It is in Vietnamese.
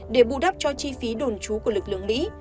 để bù đắp cho chi phí đồn trú của lực lượng mỹ